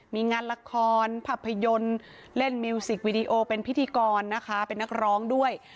มีงานละครภาพยนตร์เล่นมิวสิกวีดีโอเป็นพิธีกรนะคะเป็นนักร้องด้วย